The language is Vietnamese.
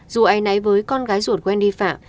dù ai nấy với con gái ruột quen nghi phạm